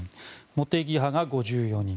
茂木派が５４人。